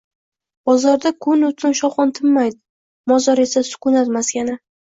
Bozorda kun-u tun shovqin tinmaydi. Mozor esa sukunat maskani.